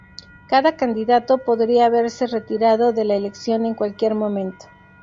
Cada candidato podría haberse retirado de la elección en cualquier momento.